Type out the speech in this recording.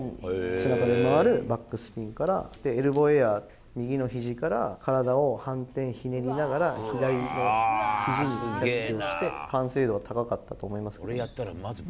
背中で回るバックスピンから、エルボーエアー、右のひじから体を反転ひねりながら、左ひじにキャッチをして、完成度は高かったと思います。